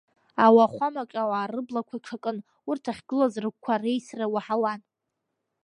Ауахәамаҿ ауаа рыблақәа ҽакын, урҭ ахьгылаз рыгәқәа реисра уаҳауан.